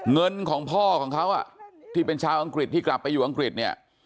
เงินของพ่อของเขาที่เป็นชาวอังกฤษที่กลับไปอยู่อังกฤษเนี่ย